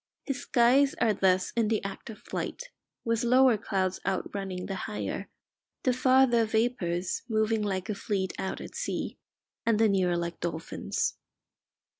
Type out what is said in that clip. His skies are thus in the act of flight, with lower clouds outrunning the higher, the farther vapours moving like a fleet out at sea, and the nearer like dolphins.